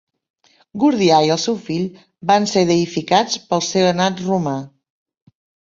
Gordià i el seu fill van ser deïficats pel senat romà.